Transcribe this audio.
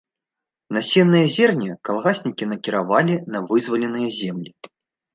Насеннае зерне калгаснікі накіравалі на вызваленыя зямлі.